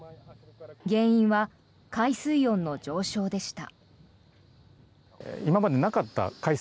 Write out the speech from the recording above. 原因は海水温の上昇でした。